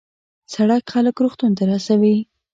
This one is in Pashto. سړک خلک روغتون ته رسوي.